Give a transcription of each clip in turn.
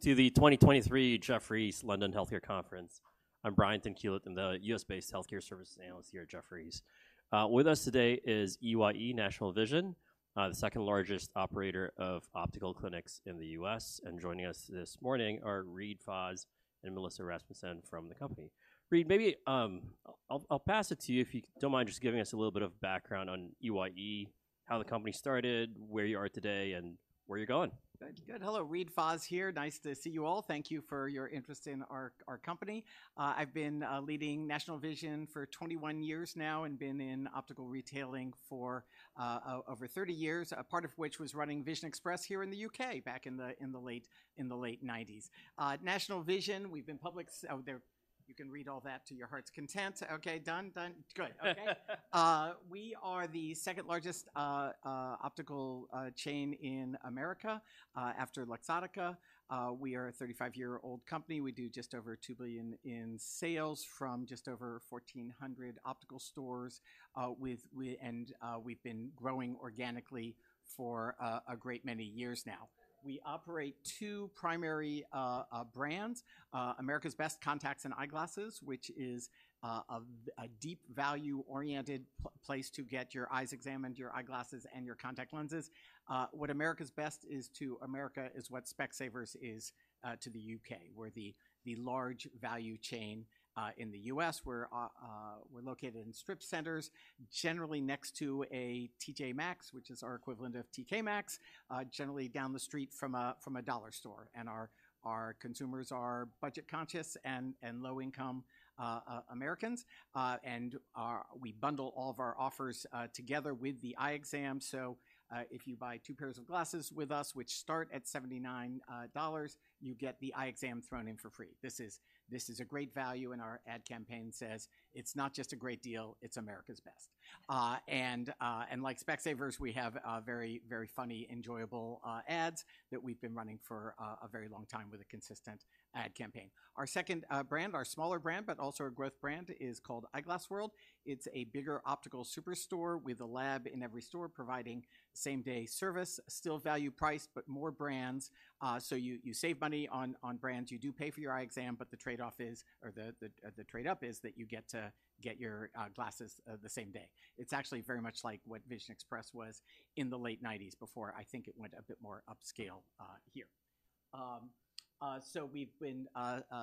to the 2023 Jefferies London Healthcare Conference. I'm Brian Tanquilut, I'm the U.S.-based healthcare services analyst here at Jefferies. With us today is EYE National Vision, the second-largest operator of optical clinics in the U.S., and joining us this morning are Reade Fahs and Melissa Rasmussen from the company. Reade, maybe, I'll pass it to you, if you don't mind just giving us a little bit of background on EYE, how the company started, where you are today, and where you're going. Good, good. Hello. Reade Fahs here. Nice to see you all. Thank you for your interest in our company. I've been leading National Vision for 21 years now and been in optical retailing for over 30 years, a part of which was running Vision Express here in the U.K., back in the late 1990s. National Vision, we've been public—oh, there, you can read all that to your heart's content. Okay, done? Done. Good. Okay, we are the second-largest optical chain in America, after Luxottica. We are a 35-year-old company. We do just over $2 billion in sales from just over 1,400 optical stores, with and we've been growing organically for a great many years now. We operate two primary brands, America's Best Contacts & Eyeglasses, which is a deep value-oriented place to get your eyes examined, your eyeglasses, and your contact lenses. What America's Best is to America is what Specsavers is to the U.K. We're the large value chain in the U.S. We're located in strip centers, generally next to a TJ Maxx, which is our equivalent of TK Maxx. Generally down the street from a dollar store, and our consumers are budget conscious and low-income Americans. We bundle all of our offers together with the eye exam, so if you buy two pairs of glasses with us, which start at $79, you get the eye exam thrown in for free. This is a great value, and our ad campaign says, "It's not just a great deal, it's America's Best." And like Specsavers, we have very, very funny, enjoyable ads that we've been running for a very long time with a consistent ad campaign. Our second brand, our smaller brand, but also our growth brand, is called Eyeglass World. It's a bigger optical superstore with a lab in every store, providing same-day service, still value priced, but more brands. So you save money on brands. You do pay for your eye exam, but the trade-off is, or the trade-up is that you get to get your glasses the same day. It's actually very much like what Vision Express was in the late nineties before I think it went a bit more upscale here. So we've been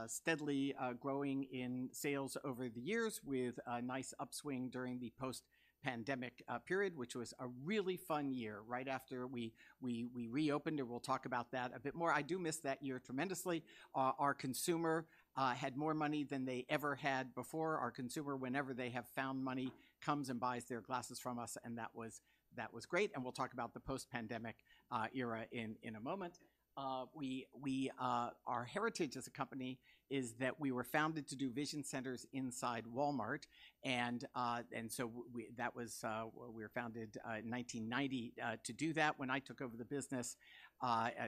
steadily growing in sales over the years with a nice upswing during the post-pandemic period, which was a really fun year, right after we reopened, and we'll talk about that a bit more. I do miss that year tremendously. Our consumer had more money than they ever had before. Our consumer, whenever they have found money, comes and buys their glasses from us, and that was great, and we'll talk about the post-pandemic era in a moment. Our heritage as a company is that we were founded to do vision centers inside Walmart, and so that was, we were founded in 1990 to do that. When I took over the business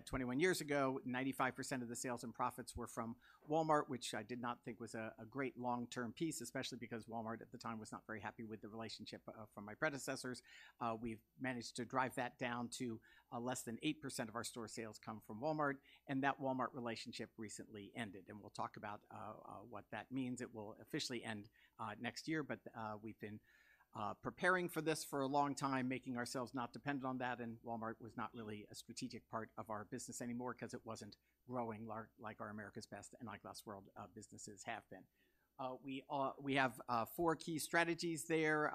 21 years ago, 95% of the sales and profits were from Walmart, which I did not think was a great long-term piece, especially because Walmart at the time was not very happy with the relationship from my predecessors. We've managed to drive that down to less than 8% of our store sales come from Walmart, and that Walmart relationship recently ended, and we'll talk about what that means. It will officially end next year, but we've been preparing for this for a long time, making ourselves not dependent on that, and Walmart was not really a strategic part of our business anymore 'cause it wasn't growing like our America's Best and Eyeglass World businesses have been. We have four key strategies there.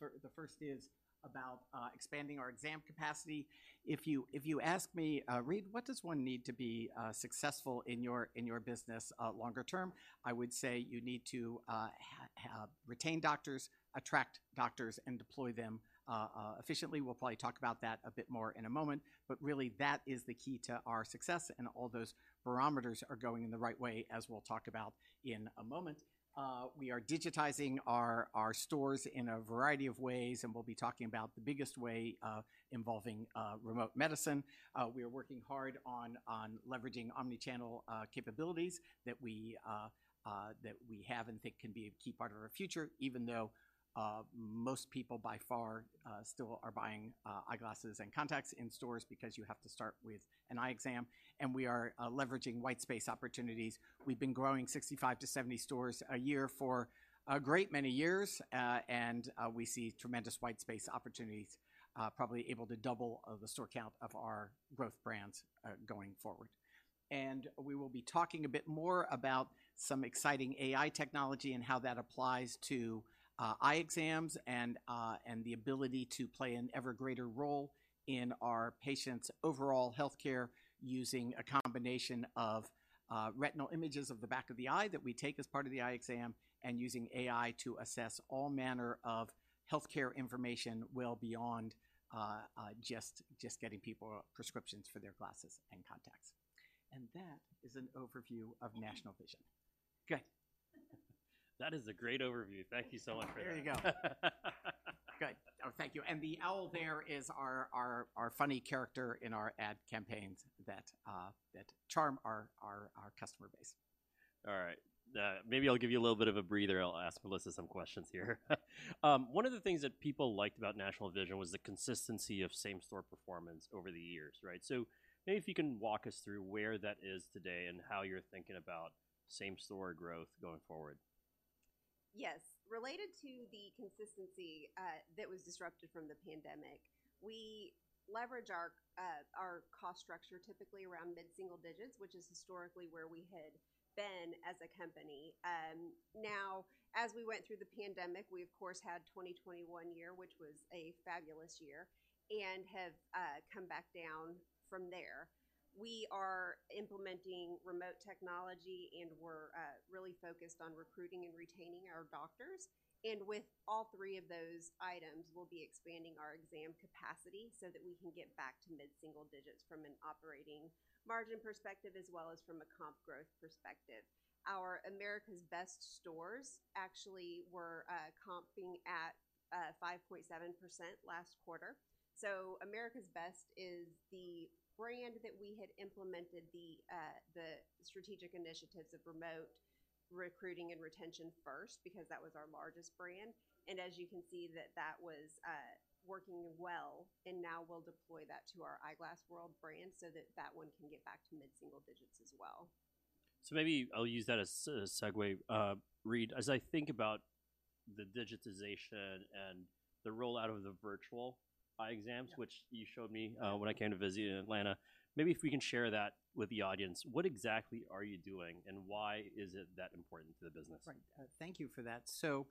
The first is about expanding our exam capacity. If you ask me, "Reade, what does one need to be successful in your business longer term?" I would say you need to retain doctors, attract doctors, and deploy them efficiently. We'll probably talk about that a bit more in a moment, but really that is the key to our success, and all those barometers are going in the right way, as we'll talk about in a moment. We are digitizing our stores in a variety of ways, and we'll be talking about the biggest way involving remote medicine. We are working hard on leveraging omni-channel capabilities that we have and think can be a key part of our future, even though most people by far still are buying eyeglasses and contacts in stores because you have to start with an eye exam, and we are leveraging white space opportunities. We've been growing 65-70 stores a year for a great many years, and we see tremendous white space opportunities, probably able to double the store count of our growth brands going forward. And we will be talking a bit more about some exciting AI technology and how that applies to eye exams and the ability to play an ever-greater role in our patients' overall healthcare, using a combination of retinal images of the back of the eye that we take as part of the eye exam, and using AI to assess all manner of healthcare information well beyond just getting people prescriptions for their glasses and contacts. And that is an overview of National Vision. Okay. That is a great overview. Thank you so much for that. There you go. Okay. Oh, thank you, and the owl there is our funny character in our ad campaigns that charm our customer base.... All right, maybe I'll give you a little bit of a breather. I'll ask Melissa some questions here. One of the things that people liked about National Vision was the consistency of same-store performance over the years, right? So maybe if you can walk us through where that is today and how you're thinking about same-store growth going forward. Yes. Related to the consistency that was disrupted from the pandemic, we leverage our cost structure typically around mid-single digits, which is historically where we had been as a company. Now, as we went through the pandemic, we, of course, had a 2021 year, which was a fabulous year, and have come back down from there. We are implementing remote technology, and we're really focused on recruiting and retaining our doctors, and with all three of those items, we'll be expanding our exam capacity so that we can get back to mid-single digits from an operating margin perspective, as well as from a comp growth perspective. Our America's Best stores actually were comping at 5.7% last quarter. So America's Best is the brand that we had implemented the strategic initiatives of remote recruiting and retention first, because that was our largest brand, and as you can see, that that was working well, and now we'll deploy that to our Eyeglass World brand so that that one can get back to mid-single digits as well. So maybe I'll use that as a segue. Reade, as I think about the digitization and the rollout of the virtual eye exams. Yeah. Which you showed me, when I came to visit you in Atlanta, maybe if we can share that with the audience, what exactly are you doing, and why is it that important to the business? Right. Thank you for that. So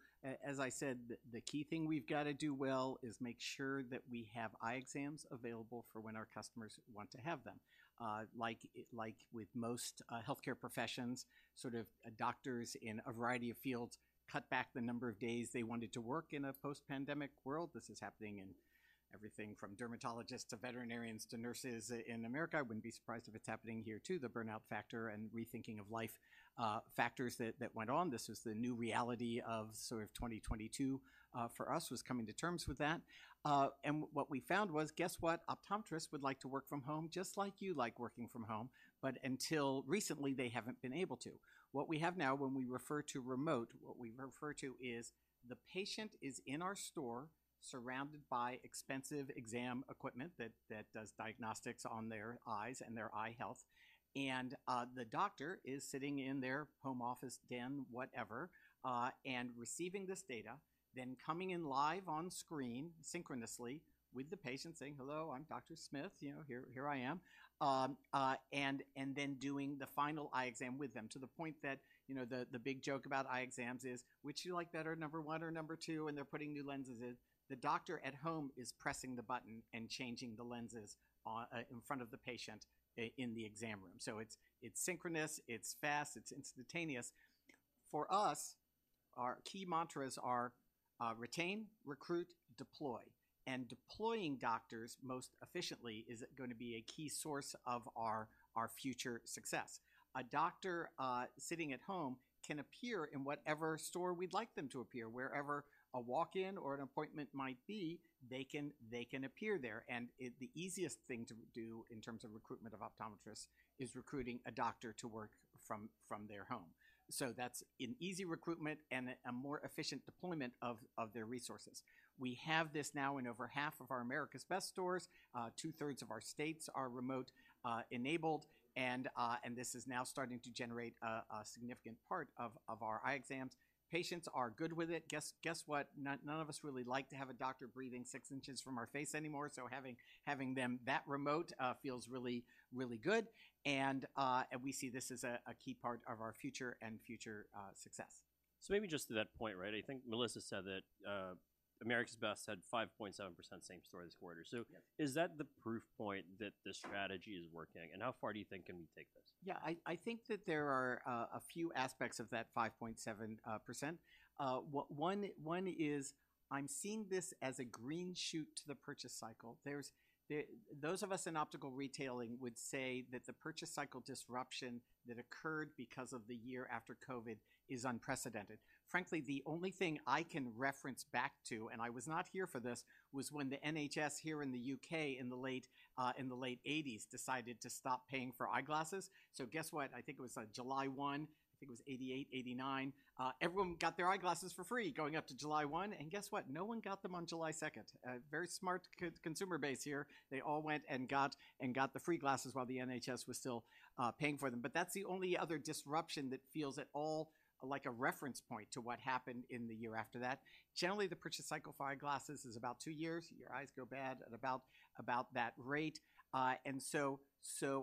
as I said, the key thing we've got to do well is make sure that we have eye exams available for when our customers want to have them. Like with most healthcare professions, sort of doctors in a variety of fields cut back the number of days they wanted to work in a post-pandemic world. This is happening in everything from dermatologists to veterinarians to nurses in America. I wouldn't be surprised if it's happening here, too. The burnout factor and rethinking of life factors that went on, this was the new reality of sort of 2022 for us was coming to terms with that. And what we found was, guess what? Optometrists would like to work from home, just like you like working from home, but until recently, they haven't been able to. What we have now, when we refer to remote, what we refer to is the patient is in our store, surrounded by expensive exam equipment that does diagnostics on their eyes and their eye health, and the doctor is sitting in their home office, den, whatever, and receiving this data, then coming in live on screen synchronously with the patient, saying, "Hello, I'm Dr. Smith, you know, here, here I am." And then doing the final eye exam with them to the point that, you know, the big joke about eye exams is, which you like better, number one or number two? When they're putting new lenses in. The doctor at home is pressing the button and changing the lenses on, in front of the patient in the exam room. So it's, it's synchronous, it's fast, it's instantaneous. For us, our key mantras are, retain, recruit, deploy, and deploying doctors most efficiently is gonna be a key source of our future success. A doctor sitting at home can appear in whatever store we'd like them to appear. Wherever a walk-in or an appointment might be, they can, they can appear there, and it. The easiest thing to do in terms of recruitment of optometrists is recruiting a doctor to work from their home. So that's an easy recruitment and a more efficient deployment of their resources. We have this now in over half of our America's Best stores. Two-thirds of our states are remote enabled, and this is now starting to generate a significant part of our eye exams. Patients are good with it. Guess what? None of us really like to have a doctor breathing six inches from our face anymore, so having them that remote feels really good, and we see this as a key part of our future success. So maybe just to that point, right, I think Melissa said that, America's Best had 5.7% same store this quarter. Yeah. Is that the proof point that the strategy is working, and how far do you think can we take this? Yeah, I think that there are a few aspects of that 5.7%. One is I'm seeing this as a green shoot to the purchase cycle. There's the... Those of us in optical retailing would say that the purchase cycle disruption that occurred because of the year after COVID is unprecedented. Frankly, the only thing I can reference back to, and I was not here for this, was when the NHS here in the U.K. in the late 1980s decided to stop paying for eyeglasses. So guess what? I think it was on July 1, I think it was 1988, 1989, everyone got their eyeglasses for free going up to July 1, and guess what? No one got them on July 2nd. A very smart core consumer base here, they all went and got the free glasses while the NHS was still paying for them, but that's the only other disruption that feels at all like a reference point to what happened in the year after that. Generally, the purchase cycle for eyeglasses is about two years. Your eyes go bad at about that rate. And so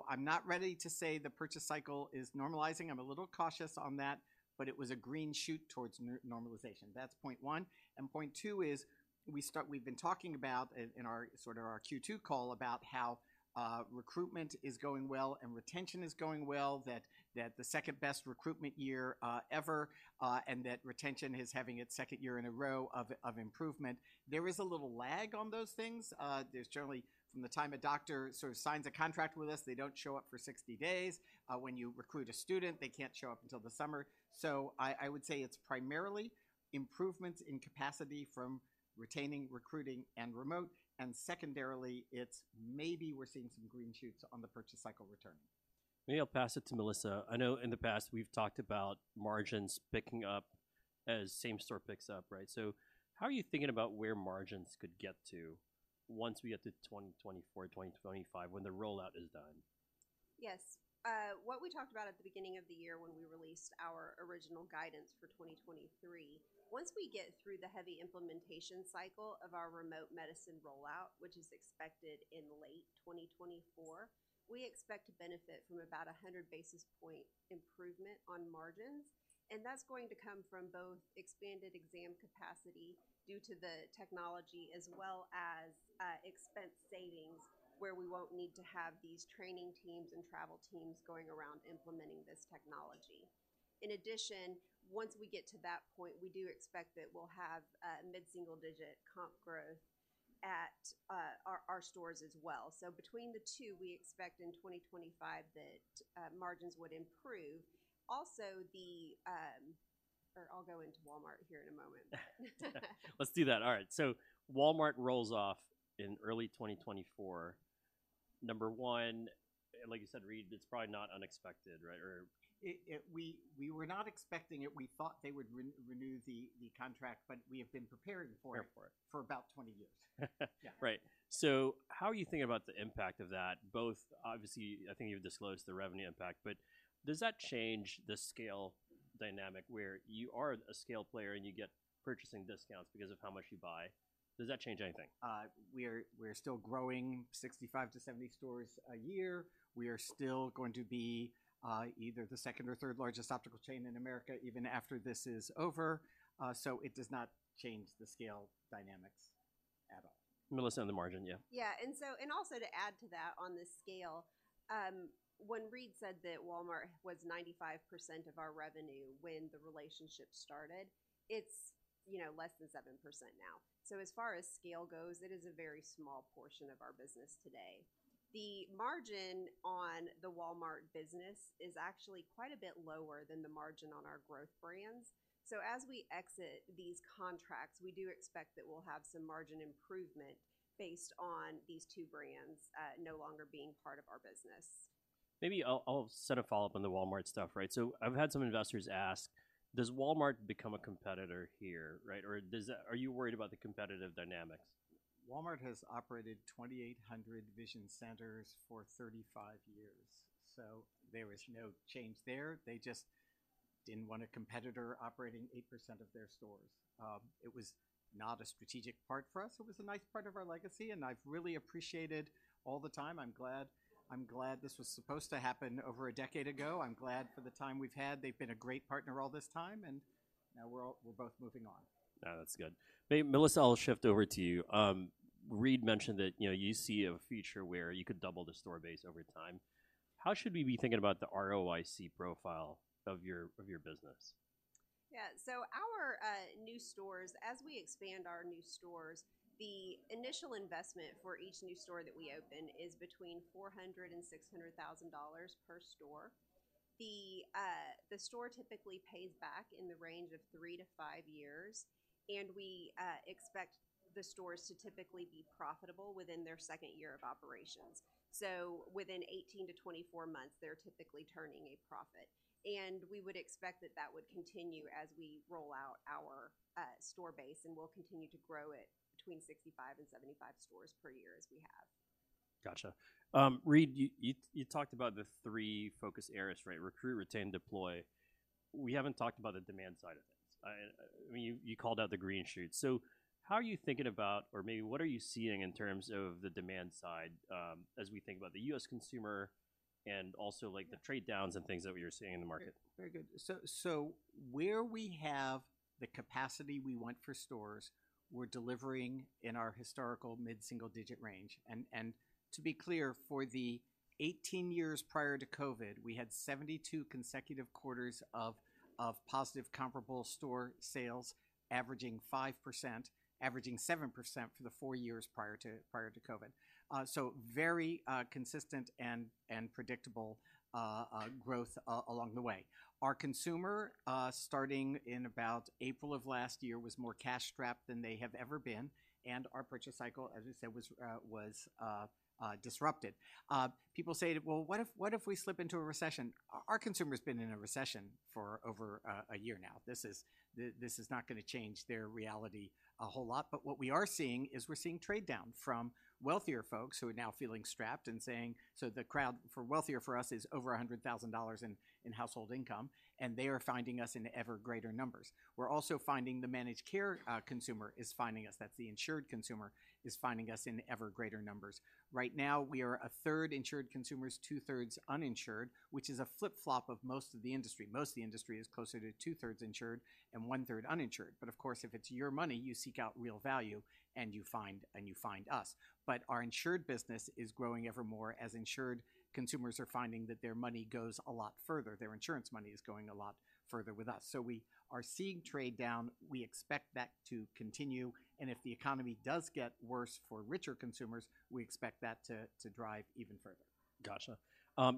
I'm not ready to say the purchase cycle is normalizing. I'm a little cautious on that, but it was a green shoot towards normalization. That's point one, and point two is we've been talking about in our sort of our Q2 call about how recruitment is going well and retention is going well, that the second-best recruitment year ever, and that retention is having its second year in a row of improvement. There is a little lag on those things. There's generally from the time a doctor sort of signs a contract with us, they don't show up for 60 days. When you recruit a student, they can't show up until the summer. So I would say it's primarily improvements in capacity from retaining, recruiting, and remote, and secondarily, it's maybe we're seeing some green shoots on the purchase cycle returning. Maybe I'll pass it to Melissa. I know in the past we've talked about margins picking up as same-store picks up, right? So how are you thinking about where margins could get to once we get to 2024, 2025, when the rollout is done? Yes, what we talked about at the beginning of the year when we released our original guidance for 2023, once we get through the heavy implementation cycle of our remote medicine rollout, which is expected in late 2024, we expect to benefit from about a 100 basis point improvement on margins, and that's going to come from both expanded exam capacity due to the technology, as well as expense savings, where we won't need to have these training teams and travel teams going around implementing this technology. In addition, once we get to that point, we do expect that we'll have mid-single-digit comp growth at our stores as well. So between the two, we expect in 2025 that margins would improve. Also, or I'll go into Walmart here in a moment. Let's do that. All right. So Walmart rolls off in early 2024. Number one, and like you said, Reade, it's probably not unexpected, right? Or. We were not expecting it. We thought they would renew the contract, but we have been preparing for it- Preparing for it. For about 20 years. Yeah. Right. So how are you thinking about the impact of that? Both, obviously, I think you've disclosed the revenue impact, but does that change the scale dynamic where you are a scale player, and you get purchasing discounts because of how much you buy? Does that change anything? We are, we're still growing 65-70 stores a year. We are still going to be either the second or third largest optical chain in America, even after this is over. So it does not change the scale dynamics at all. Melissa, on the margin, yeah. Yeah, and so, and also to add to that on the scale, when Reade said that Walmart was 95% of our revenue when the relationship started, it's, you know, less than 7% now. So as far as scale goes, it is a very small portion of our business today. The margin on the Walmart business is actually quite a bit lower than the margin on our growth brands. So as we exit these contracts, we do expect that we'll have some margin improvement based on these two brands no longer being part of our business. Maybe I'll set a follow-up on the Walmart stuff, right? So I've had some investors ask: Does Walmart become a competitor here, right? Or does that, are you worried about the competitive dynamics? Walmart has operated 2,800 vision centers for 35 years, so there is no change there. They just didn't want a competitor operating 8% of their stores. It was not a strategic part for us. It was a nice part of our legacy, and I've really appreciated all the time. I'm glad, I'm glad this was supposed to happen over a decade ago. I'm glad for the time we've had. They've been a great partner all this time, and now we're all- we're both moving on. Yeah, that's good. Melissa, I'll shift over to you. Reade mentioned that, you know, you see a future where you could double the store base over time. How should we be thinking about the ROIC profile of your business? Yeah. So our new stores, as we expand our new stores, the initial investment for each new store that we open is between $400,000 and $600,000 per store. The store typically pays back in the range of three-five years, and we expect the stores to typically be profitable within their second year of operations. So within 18-24 months, they're typically turning a profit, and we would expect that that would continue as we roll out our store base, and we'll continue to grow it between 65 and 75 stores per year as we have. Gotcha. Reade, you talked about the three focus areas, right? Recruit, retain, deploy. We haven't talked about the demand side of things. I mean, you called out the green shoots. So how are you thinking about or maybe what are you seeing in terms of the demand side, as we think about the U.S. consumer and also, like the trade downs and things that we are seeing in the market? Very, very good. So where we have the capacity we want for stores, we're delivering in our historical mid-single-digit range, and to be clear, for the 18 years prior to COVID, we had 72 consecutive quarters of positive comparable store sales, averaging 5%, averaging 7% for the four years prior to COVID. So very consistent and predictable growth along the way. Our consumer, starting in about April of last year, was more cash-strapped than they have ever been, and our purchase cycle, as I said, was disrupted. People say, "Well, what if we slip into a recession?" Our consumer's been in a recession for over a year now. This is. This is not gonna change their reality a whole lot, but what we are seeing is we're seeing trade down from wealthier folks who are now feeling strapped and saying, so the crowd for wealthier for us is over $100,000 in household income, and they are finding us in ever greater numbers. We're also finding the managed care consumer is finding us. That's the insured consumer, is finding us in ever greater numbers. Right now, we are one-third insured consumers, two-thirds uninsured, which is a flip-flop of most of the industry. Most of the industry is closer to two-thirds insured and one-third uninsured, but of course, if it's your money, you seek out real value, and you find, and you find us. But our insured business is growing ever more as insured consumers are finding that their money goes a lot further. Their insurance money is going a lot further with us. So we are seeing trade down. We expect that to continue, and if the economy does get worse for richer consumers, we expect that to drive even further. Gotcha.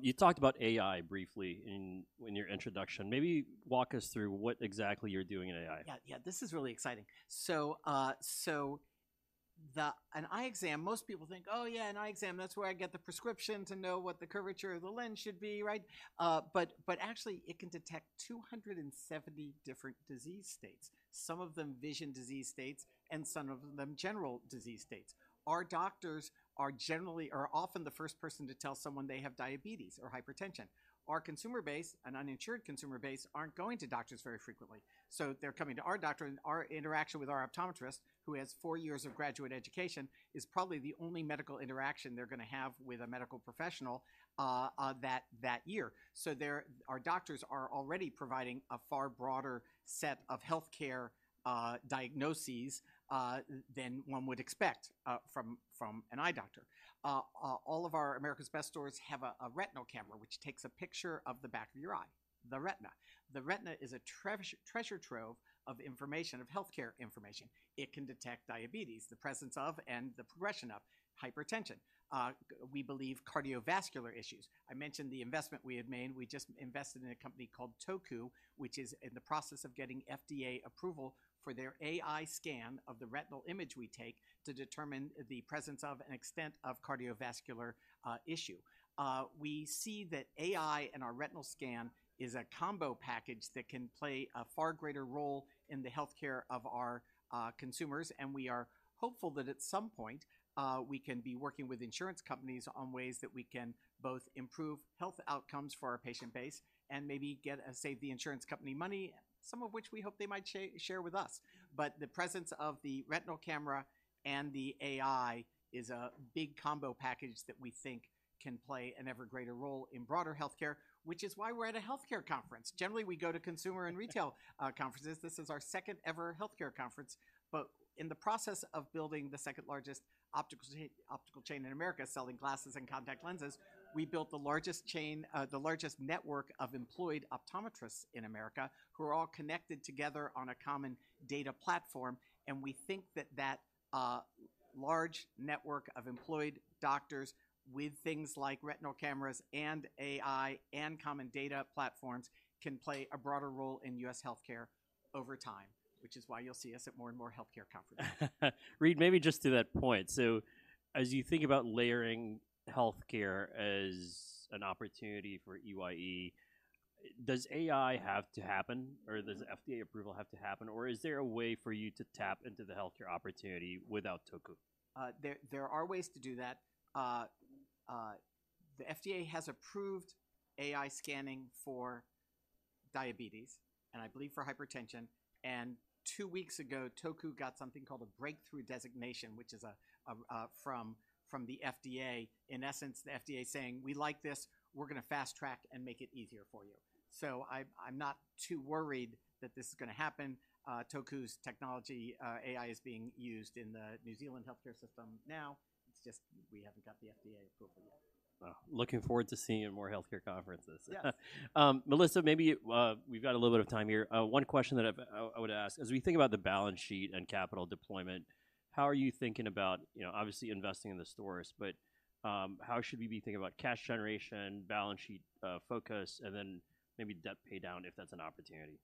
You talked about AI briefly in your introduction. Maybe walk us through what exactly you're doing in AI. Yeah, yeah. This is really exciting. So, the, an eye exam, most people think, "Oh, yeah, an eye exam, that's where I get the prescription to know what the curvature of the lens should be," right? But actually, it can detect 270 different disease states, some of them vision disease states, and some of them general disease states. Our doctors are generally often the first person to tell someone they have diabetes or hypertension. Our consumer base and uninsured consumer base aren't going to doctors very frequently, so they're coming to our doctor, and our interaction with our optometrist, who has four years of graduate education, is probably the only medical interaction they're gonna have with a medical professional, that year. So, our doctors are already providing a far broader set of healthcare diagnoses than one would expect from an eye doctor. All of our America's Best stores have a retinal camera, which takes a picture of the back of your eye, the retina. The retina is a treasure trove of information, of healthcare information. It can detect diabetes, the presence of, and the progression of hypertension. We believe cardiovascular issues. I mentioned the investment we have made. We just invested in a company called Toku, which is in the process of getting FDA approval for their AI scan of the retinal image we take to determine the presence of and extent of cardiovascular issue. We see that AI and our retinal scan is a combo package that can play a far greater role in the healthcare of our consumers, and we are hopeful that at some point we can be working with insurance companies on ways that we can both improve health outcomes for our patient base and maybe get save the insurance company money, some of which we hope they might share with us. But the presence of the retinal camera and the AI is a big combo package that we think can play an ever greater role in broader healthcare, which is why we're at a healthcare conference. Generally, we go to consumer and retail conferences. This is our second-ever healthcare conference, but in the process of building the second-largest optical chain in America, selling glasses and contact lenses, we built the largest chain, the largest network of employed optometrists in America, who are all connected together on a common data platform, and we think that that large network of employed doctors with things like retinal cameras and AI and common data platforms can play a broader role in U.S. healthcare over time, which is why you'll see us at more and more healthcare conferences. Reade, maybe just to that point, so as you think about layering healthcare as an opportunity for EYE, does AI have to happen, or does FDA approval have to happen, or is there a way for you to tap into the healthcare opportunity without Toku? There are ways to do that. The FDA has approved AI scanning for diabetes and I believe for hypertension, and two weeks ago, Toku got something called a breakthrough designation, which is a from the FDA. In essence, the FDA is saying, "We like this. We're gonna fast track and make it easier for you." So I'm not too worried that this is gonna happen. Toku's technology, AI, is being used in the New Zealand healthcare system now. It's just we haven't got the FDA approval yet. Well, looking forward to seeing you at more healthcare conferences. Yeah. Melissa, maybe we've got a little bit of time here. One question that I would ask: as we think about the balance sheet and capital deployment, how are you thinking about, you know, obviously investing in the stores, but how should we be thinking about cash generation, balance sheet focus, and then maybe debt paydown, if that's an opportunity?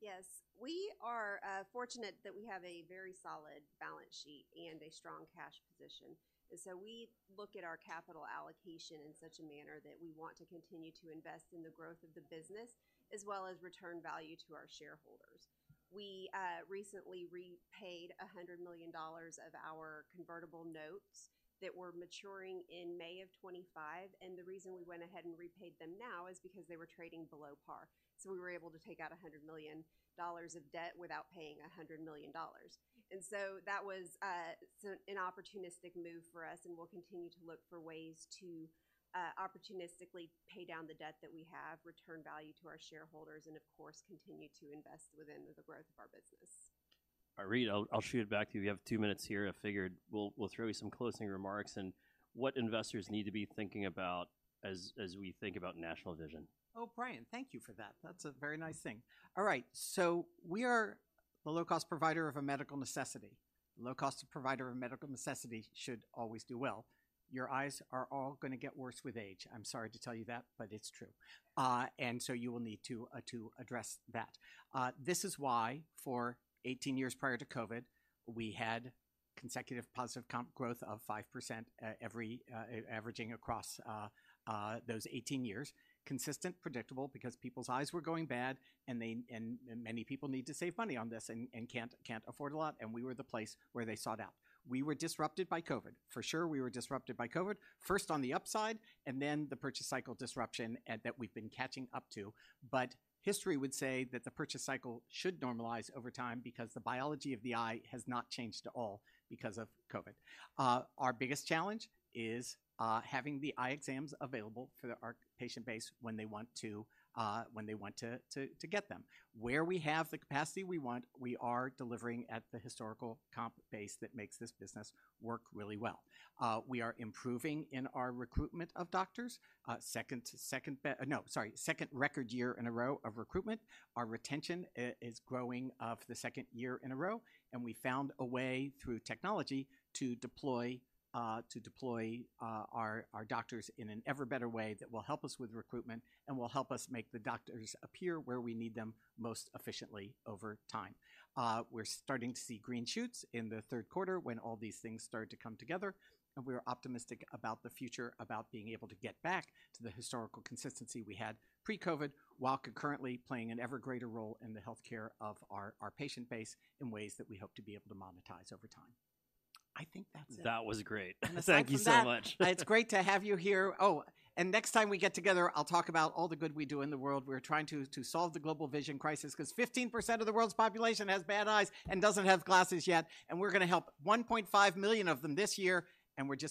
Yes, we are fortunate that we have a very solid balance sheet and a strong cash position, and so we look at our capital allocation in such a manner that we want to continue to invest in the growth of the business, as well as return value to our shareholders. We recently repaid $100 million of our convertible notes that were maturing in May 2025, and the reason we went ahead and repaid them now is because they were trading below par. So we were able to take out $100 million of debt without paying $100 million, and so that was, so an opportunistic move for us, and we'll continue to look for ways to, opportunistically pay down the debt that we have, return value to our shareholders, and of course, continue to invest within the growth of our business. All right, Reade, I'll shoot it back to you. We have two minutes here. I figured we'll throw you some closing remarks and what investors need to be thinking about as we think about National Vision. Oh, Brian, thank you for that. That's a very nice thing. All right, so we are the low-cost provider of a medical necessity. Low-cost provider of medical necessity should always do well. Your eyes are all gonna get worse with age. I'm sorry to tell you that, but it's true. And so you will need to address that. This is why, for 18 years prior to COVID, we had consecutive positive comp growth of 5%, every, averaging across, those 18 years. Consistent, predictable, because people's eyes were going bad, and they and many people need to save money on this and can't afford a lot, and we were the place where they sought out. We were disrupted by COVID. For sure, we were disrupted by COVID, first on the upside, and then the purchase cycle disruption that we've been catching up to, but history would say that the purchase cycle should normalize over time because the biology of the eye has not changed at all because of COVID. Our biggest challenge is having the eye exams available for our patient base when they want to get them. Where we have the capacity we want, we are delivering at the historical comp base that makes this business work really well. We are improving in our recruitment of doctors. Second record year in a row of recruitment. Our retention is growing for the second year in a row, and we found a way through technology to deploy our doctors in an ever better way that will help us with recruitment and will help us make the doctors appear where we need them most efficiently over time. We're starting to see green shoots in the third quarter when all these things start to come together, and we are optimistic about the future, about being able to get back to the historical consistency we had pre-COVID, while concurrently playing an ever greater role in the healthcare of our patient base in ways that we hope to be able to monetize over time. I think that's it. That was great. Thank you so much. Aside from that, it's great to have you here. Oh, and next time we get together, I'll talk about all the good we do in the world. We're trying to solve the global vision crisis because 15% of the world's population has bad eyes and doesn't have glasses yet, and we're gonna help 1.5 million of them this year, and we're just.